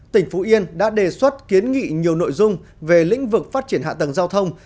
tỉnh phú yên đã đề xuất kiến nghị nhiều nội dung về lĩnh vực phát triển hạ tầng giao thông